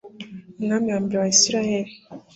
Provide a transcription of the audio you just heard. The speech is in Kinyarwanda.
umwami wa mbere wa isirayeli